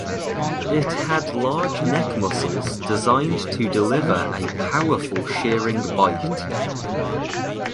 It had large neck muscles designed to deliver a powerful shearing bite.